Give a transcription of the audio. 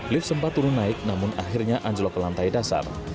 lampak turun naik namun akhirnya anjlok ke lantai dasar